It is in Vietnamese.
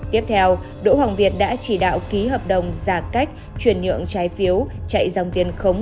tiếp theo đỗ hoàng việt đã chỉ đạo ký hợp đồng giả cách chuyển nhượng trái phiếu chạy dòng tiền khống